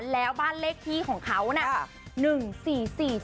แล้วบ้านเลขที่ของเขาน่ะ